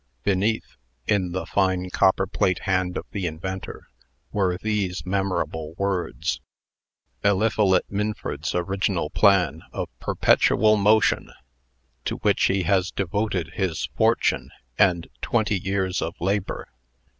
Beneath, in the fine copperplate hand of the inventor, were these memorable words: "Eliphalet Minford's original plan of PERPETUAL MOTION, _to which he has devoted his fortune, and twenty years of labor.